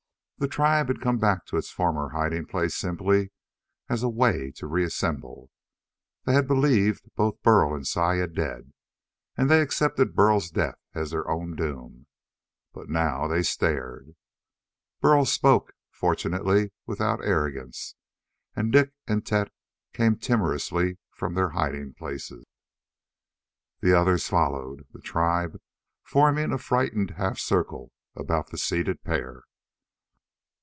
The tribe had come back to its former hiding place simply as a way to reassemble. They had believed both Burl and Saya dead, and they accepted Burl's death as their own doom. But now they stared. Burl spoke fortunately without arrogance and Dik and Tet came timorously from their hiding places. The others followed, the tribe forming a frightened half circle about the seated pair.